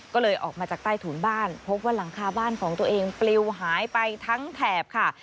ก็เลยออกมาจากใต้ถุนบ้านพบว่าหลังคาบ้านของตัวเองปลิวหายไปทั้งแถบค่ะ